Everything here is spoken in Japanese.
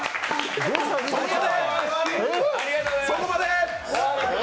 そこまで！